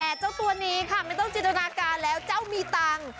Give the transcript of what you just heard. แต่เจ้าตัวนี้ค่ะไม่ต้องจินตนาการแล้วเจ้ามีตังค์